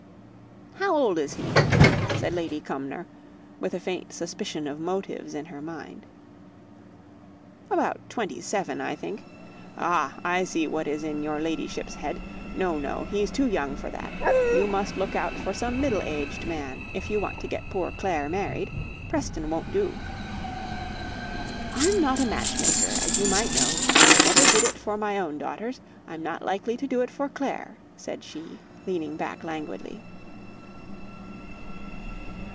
"How old is he?" said Lady Cumnor, with a faint suspicion of motives in her mind. "About twenty seven, I think. Ah! I see what is in your ladyship's head. No! no! he's too young for that. You must look out for some middle aged man, if you want to get poor Clare married; Preston won't do." "I'm not a match maker, as you might know. I never did it for my own daughters. I'm not likely to do it for Clare," said she, leaning back languidly.